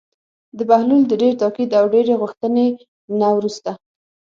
د بهلول د ډېر تاکید او ډېرې غوښتنې نه وروسته.